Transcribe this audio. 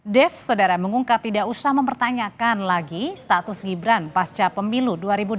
dev saudara mengungkap tidak usah mempertanyakan lagi status gibran pasca pemilu dua ribu dua puluh